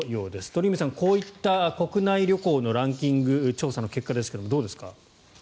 鳥海さんこういった国内旅行のランキング調査の結果ですがどうですか？